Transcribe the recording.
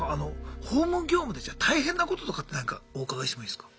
ホーム業務でじゃあ大変なこととかってなんかお伺いしてもいいですか？